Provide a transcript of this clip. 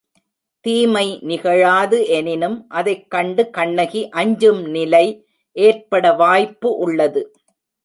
தீமை நிகழாது எனினும் அதைக் கண்டு கண்ணகி அஞ்சும் நிலை ஏற்பட வாய்ப்பு உள்ளது.